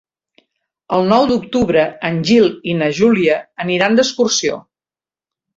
El nou d'octubre en Gil i na Júlia aniran d'excursió.